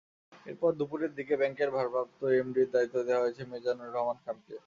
এরপর দুপুরের দিকে ব্যাংকের ভারপ্রাপ্ত এমডির দায়িত্ব দেওয়া মিজানুর রহমান খানকে।